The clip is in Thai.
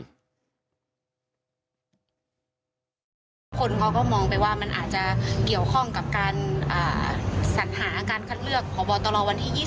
ระหว่างของในตำรวจใหญ่